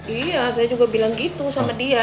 iya saya juga bilang gitu sama dia